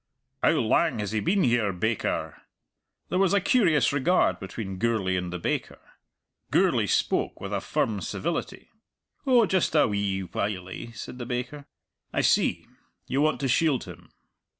"How lang has he been here, baker?" There was a curious regard between Gourlay and the baker. Gourlay spoke with a firm civility. "Oh, just a wee whilie," said the baker. "I see. You want to shield him.